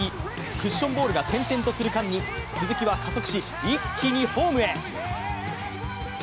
クッションボールが転々とする間に鈴木は加速し、一気にホームへ。